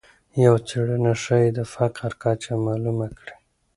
یوه څېړنه ښایي د فقر کچه معلومه کړي.